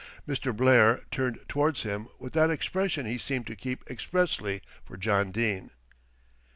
Mr. Blair turned towards him with that expression he seemed to keep expressly for John Dene.